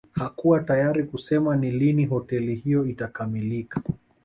Hakuwa tayari kusema ni lini hoteli hiyo itakamilika